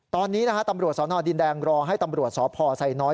ตอนนี้นะฮะตำรวจสนดินแดงรอให้ตำรวจสพไซน้อย